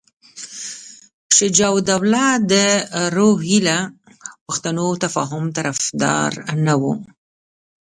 شجاع الدوله د روهیله پښتنو تفاهم طرفدار نه وو.